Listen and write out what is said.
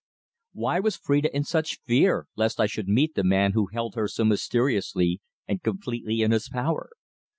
Why was Phrida in such fear lest I should meet the man who held her so mysteriously and completely in his power?